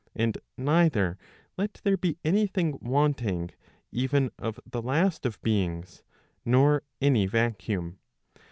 And neither let there be any thing wanting even of the last of beings, nor any vacuum.